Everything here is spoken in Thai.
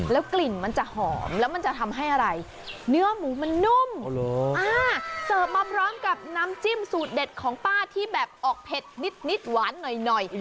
กลิ่นมันจะหอมแล้วมันจะทำให้อะไรเนื้อหมูมันนุ่มเสิร์ฟมาพร้อมกับน้ำจิ้มสูตรเด็ดของป้าที่แบบออกเผ็ดนิดหวานหน่อย